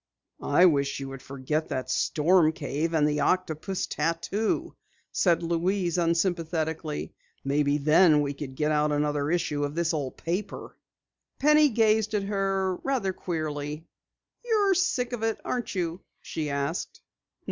"I wish you would forget that storm cave and the octopus tattoo," said Louise unsympathetically. "Maybe then we could get out another issue of this old paper." Penny gazed at her rather queerly. "You're sick of it, aren't you?" she asked.